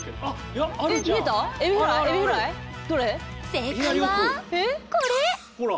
正解はこれほら。